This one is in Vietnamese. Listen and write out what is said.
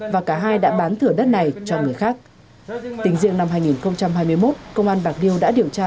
và cả hai đã bán thửa đất này cho người khác tình diện năm hai nghìn hai mươi một công an bạc điêu đã điều tra